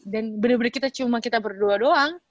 dan bener bener kita cuma kita berdua doang